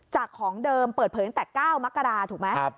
ของเดิมเปิดเผยตั้งแต่๙มกราถูกไหม